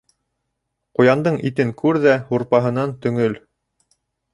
Ҡуяндың итен күр ҙә -һурпаһынан төңөл.